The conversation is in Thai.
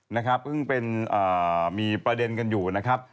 นะครับมีประเด็นกันอยู่นะครับ